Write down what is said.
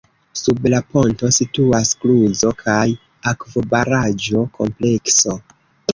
Sub la ponto situas kluzo- kaj akvobaraĵo komplekso.